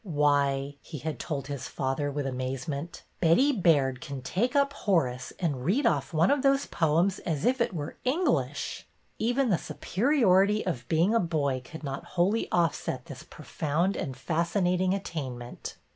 " Why," he had told his father, with amaze ment, " Betty Baird can take up Horace and read off one of those poems as if it were English," BETTY IN A PICKLE" 8i Even the superiority of being a boy oould not wholly offset this profound and fascinating attainment.